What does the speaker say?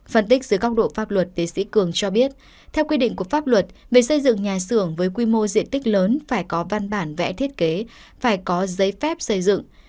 phân tích dưới góc độ pháp luật tiến sĩ cường cho biết theo quy định của pháp luật về xây dựng nhà xưởng với quy mô diện tích lớn phải có văn bản vẽ thiết kế phải có giấy phép xây dựng